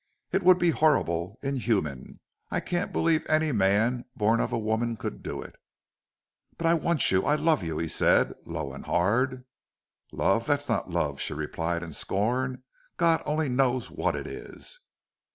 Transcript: It would be horrible inhuman. I can't believe any man born of a woman could do it." "But I want you I love you!" he said, low and hard. "Love! That's not love," she replied in scorn. "God only knows what it is."